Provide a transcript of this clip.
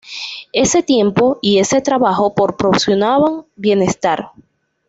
Ese tiempo y ese trabajo proporcionaban bienestar.